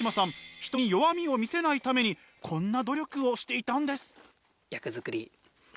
人に弱みを見せないためにこんな努力をしていたんです。